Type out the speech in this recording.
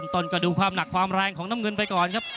ต้นก็ดูความหนักความแรงของน้ำเงินไปก่อนครับ